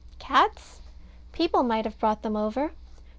Cats? People might have brought them over.